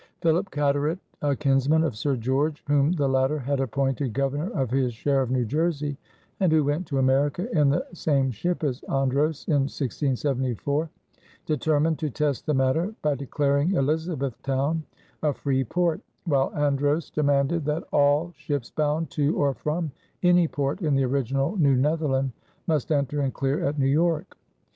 Philip Carteret, a kinsman of Sir George, whom the latter had appointed Governor of his share of New Jersey, and who went to America in the same ship as Andros in 1674, determined to test the matter by declaring Elizabethtown a free port, while Andros demanded that all ships bound to or from any port in the original New Netherland must enter and clear at New York.